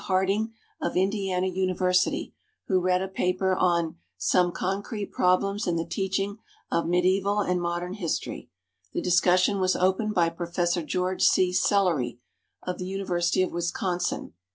Harding, of Indiana University, who read a paper on "Some Concrete Problems in the Teaching of Medieval and Modern History." The discussion was opened by Professor George C. Sellery, of the University of Wisconsin.